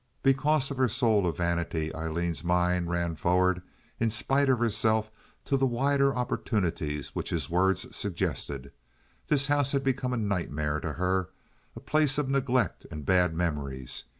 Because of her soul of vanity Aileen's mind ran forward in spite of herself to the wider opportunities which his words suggested. This house had become a nightmare to her—a place of neglect and bad memories.